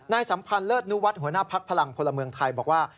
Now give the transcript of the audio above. สัมพันธ์เลิศนุวัฒน์หัวหน้าภักดิ์พลังพลเมืองไทยบอกว่า